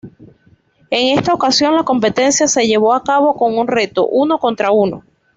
En esta ocasión, la competencia se llevó a cabo con reto uno-contra-uno.